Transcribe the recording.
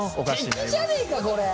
すてきじゃねえかこれ！